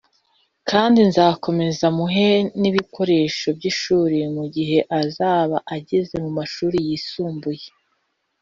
Kandi nzakomeza muhe n’ibikoresho by’ishuli mu gihe azaba ageze mu mashuli yisumbuye